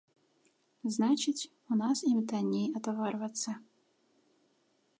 Значыць, у нас ім танней атаварвацца.